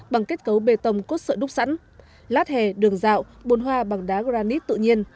bằng kết cấu bê tông cốt sợi đúc sẵn lát hề đường dạo bồn hoa bằng đá granite tự nhiên